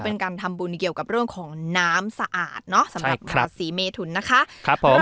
เป็นการทำบุญเกี่ยวกับเรื่องของน้ำสะอาดเนอะสำหรับราศีเมทุนนะคะครับผม